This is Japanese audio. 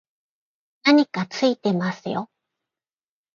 何かついてますよ